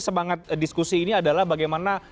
semangat diskusi ini adalah bagaimana